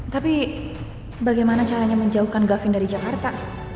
tapi bagaimana caranya menjauhkan gavin dari jakarta